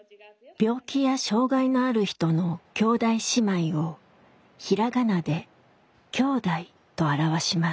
病気や障害のある人の兄弟姉妹を平仮名で「きょうだい」と表します。